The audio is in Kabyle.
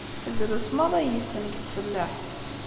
Drus maḍi ay yessen deg tfellaḥt.